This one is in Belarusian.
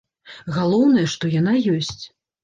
Галоўнае, што яна ёсць.